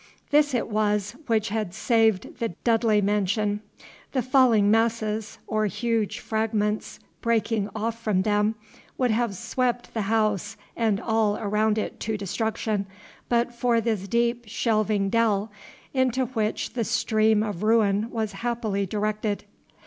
This it was which had saved the Dudley mansion. The falling masses, or huge fragments breaking off from them, would have swept the house and all around it to destruction but for this deep shelving dell, into which the stream of ruin was happily directed.